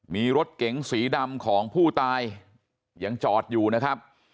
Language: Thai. มีรถเก๋งสีดำของผู้ตายยังจอดอยู่นะครับ